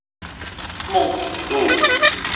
孟子路